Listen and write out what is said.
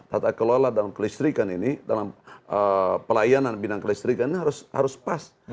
tata kelola dalam kelistrikan ini dalam pelayanan bidang kelistrikan ini harus pas